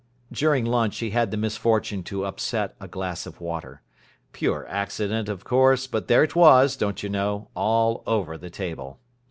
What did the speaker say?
During lunch he had the misfortune to upset a glass of water. Pure accident, of course, but there it was, don't you know, all over the table.